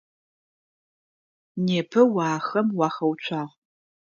Непэ о ахэм уахэуцуагъ.